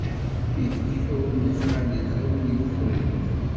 Kifkif, a win ixanen, a win yukren.